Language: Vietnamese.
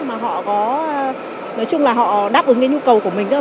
mà họ có nói chung là họ đáp ứng cái nhu cầu của mình thôi